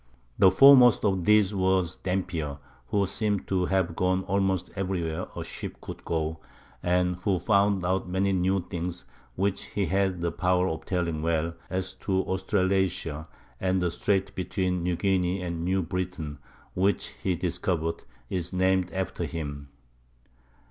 The foremost of these was Dampier, who seems to have gone almost everywhere a ship could go, and who found out many new things, which he had the power of telling well, as to Australasia; and the strait between New Guinea and New Britain, which he discovered, is named after him.